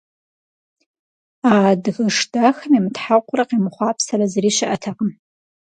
А адыгэш дахэм имытхьэкъурэ къемыхъуапсэрэ зыри щыӀэтэкъым.